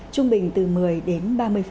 trung bình từ một mươi đến ba mươi